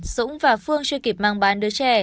dũng và phương chưa kịp mang bán đứa trẻ